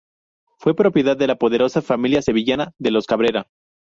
Fue propiedad de la poderosa familia sevillana de los Cabrera.